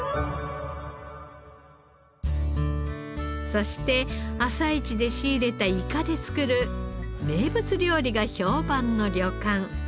そして朝市で仕入れたイカで作る名物料理が評判の旅館。